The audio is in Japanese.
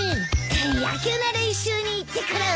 野球の練習に行ってくる。